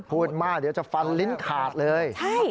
พูดมากเดี๋ยวจะฟันลิ้นขาดเลย